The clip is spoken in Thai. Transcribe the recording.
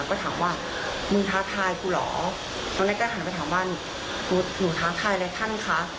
ก็ถามว่ามึงท้าทายกูเหรอตอนแรกก็หันไปถามว่าหนูท้าทายอะไรท่านคะ